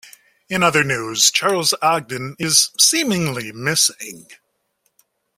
In other news, Charles Ogden is "seemingly" missing.